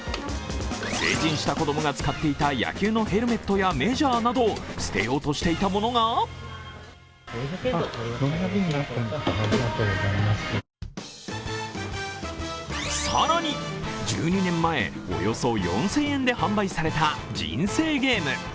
成人した子供が使っていた野球のヘルメットやメジャーなど捨てようとしていた物が更に、１２年前、およそ４０００円で販売された人生ゲーム。